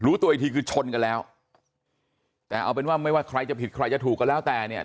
ตัวอีกทีคือชนกันแล้วแต่เอาเป็นว่าไม่ว่าใครจะผิดใครจะถูกก็แล้วแต่เนี่ย